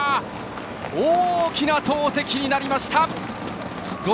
大きな投てきになりました！